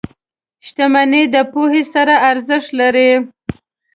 • شتمني د پوهې سره ارزښت لري.